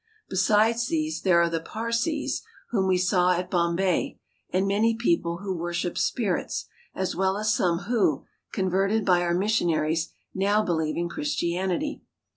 Besides these there are the Parsees, whom we saw at Bom * bay, and many people who worship spirits, as well as some who, converted by our missionaries, now believe in Chris tianity.